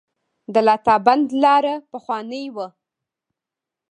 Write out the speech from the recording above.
د لاتابند لاره پخوانۍ وه